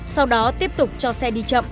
sau đó tiếp tục cho xe đi chậm